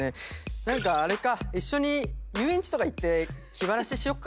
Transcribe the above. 何かあれか一緒に遊園地とか行って気晴らししよっか。